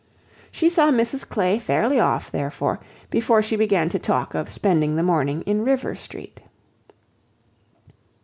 She saw Mrs Clay fairly off, therefore, before she began to talk of spending the morning in Rivers Street.